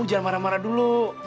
jangan marah marah dulu